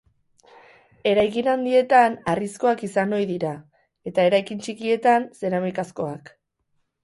Eraikin handietan harrizkoak izan ohi dira eta eraikin txikietan zeramikazkoak.